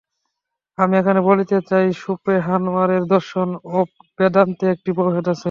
আমি এখানে বলিতে চাই, শোপেনহাওয়ারের দর্শন ও বেদান্তে একটি প্রভেদ আছে।